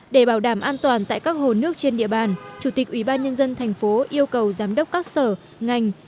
để bảo đảm an toàn tại các hồ nước trên địa bàn chủ tịch ủy ban nhân dân thành phố yêu cầu giám đốc các sở ngành